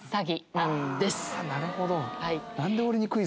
なるほど。